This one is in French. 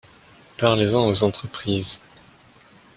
Parlez-en aux entreprises